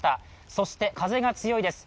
そして風が強いです。